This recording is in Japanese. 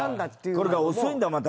これが遅いんだまた